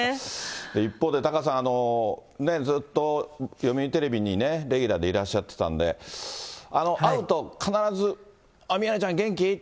一方でタカさん、ずっと読売テレビにね、レギュラーでいらっしゃってたんで、会うと必ず、宮根ちゃん、元気？